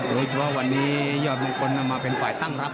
โดยเฉพาะวันนี้ยอดมงคลนำมาเป็นฝ่ายตั้งรับ